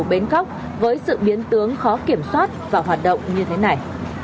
bến cóc với sự biến tướng khó kiểm soát và hoạt động như thế này